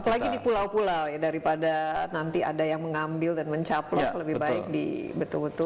apalagi di pulau pulau ya daripada nanti ada yang mengambil dan mencaplok lebih baik di betul betul